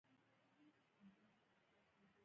سوځېدنه تودوخه ازادوي.